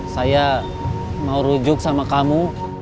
saya mau rujuk sama kamu